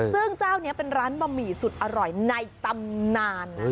ซึ่งเป็นร้านบะหมี่สุดอร่อยในตำนาน